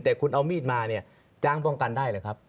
แต่คุณเอามีดมาเนี่ยจ้างป้องกันได้หรือครับ